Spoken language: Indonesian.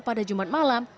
pada jumat malam